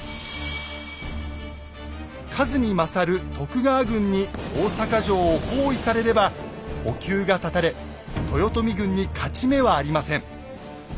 数に勝る徳川軍に大坂城を包囲されれば補給が断たれ豊臣軍に勝ち目はありません。